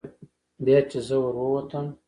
بیا چې زه ور ووتم.